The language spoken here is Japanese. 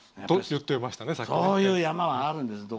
こういう山があるんです。